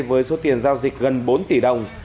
với số tiền giao dịch gần bốn tỷ đồng